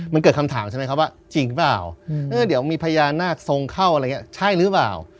มันเกิดคำถามใช่ไหมครับว่าจริงหรือเปล่าเดี๋ยวมีพญานาคทรงเข้าอะไรอย่างนี้ใช่หรือเปล่า